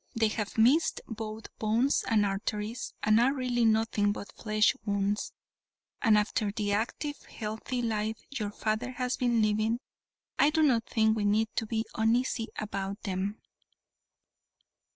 They have missed both bones and arteries and are really nothing but flesh wounds, and after the active, healthy life your father has been living, I do not think we need be uneasy about them."